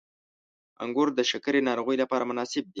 • انګور د شکرې ناروغۍ لپاره مناسب دي.